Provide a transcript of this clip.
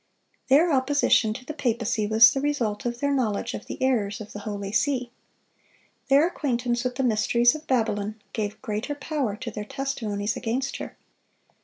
Their opposition to the papacy was the result of their knowledge of the errors of the "holy see." Their acquaintance with the mysteries of Babylon, gave greater power to their testimonies against her.